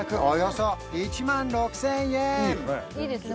およそ１万６０００円